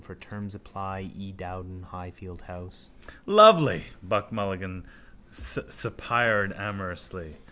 For terms apply: E. Dowden, Highfield house... —Lovely! Buck Mulligan suspired amorously.